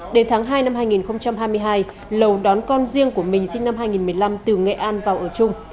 đến tháng hai năm hai nghìn hai mươi hai lầu đón con riêng của mình sinh năm hai nghìn một mươi năm từ nghệ an vào ở chung